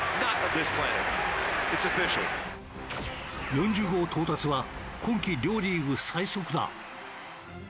４０号到達は今季両リーグ最速だ。